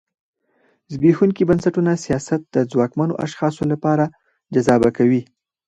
زبېښونکي بنسټونه سیاست د ځواکمنو اشخاصو لپاره جذابه کوي.